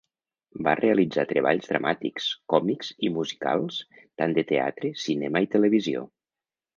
Va realitzar treballs dramàtics, còmics i musicals tant de teatre, cinema i televisió.